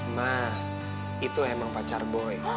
nah itu emang pacar boy